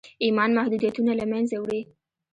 ايمان محدوديتونه له منځه وړي.